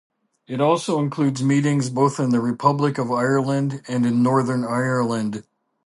It also includes meetings both in the Republic of Ireland and in Northern Ireland.